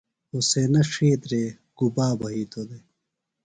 حُسینہ ڇِھیترے گُبا بھئِیتوۡ دےۡ؟